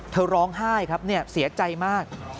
เธอร้องไห้ครับเนี่ยเสียใจมาก